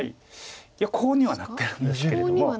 いやコウにはなってるんですけれども。